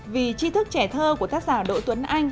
vì chi thức trẻ thơ của tác giả đỗ tuấn anh